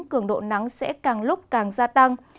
cường độ nắng sẽ càng lúc càng gia tăng